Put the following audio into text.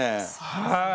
はい。